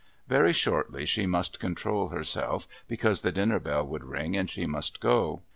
Very shortly she must control herself because the dinner bell would ring and she must go.